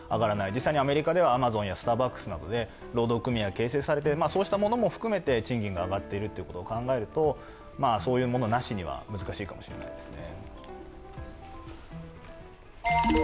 実際にアメリカではアマゾンやスターバックスなどで労働組合が形成されてそうしたものも含めて賃金が上がっていくということを考えると、そういうものなしには難しいかもしれないですね。